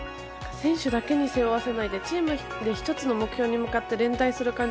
選手だけに背負わせないでチームで１つの目標に向かって連帯する感じ